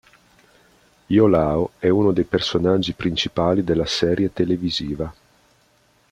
Iolao è uno dei personaggi principali della serie televisiva.